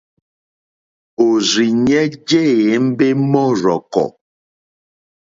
Òrzìɲɛ́ jé ěmbé mɔ́rzɔ̀kɔ̀.